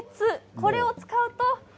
これを使うと。